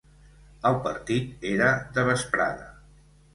El partit era de vesprada.